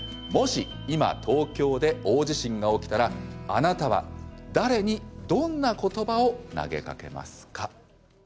「もし今東京で大地震が起きたらあなたは誰にどんな言葉を投げかけますか？」。